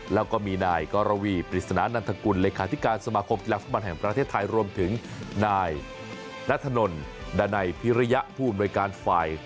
แล้วก็มีนายกรวีปริศนานันทกุลเลขาธิการสมาคมกีฬาฟุตบอลแห่งประเทศไทยรวมถึงนายนัทธนลดานัยพิริยะผู้อำนวยการฝ่าย